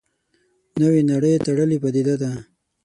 نوې نړۍ تړلې پدیده ده.